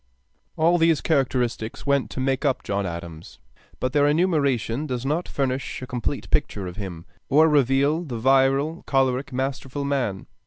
] All these characteristics went to make up John Adams; but their enumeration does not furnish a complete picture of him, or reveal the virile, choleric, masterful man.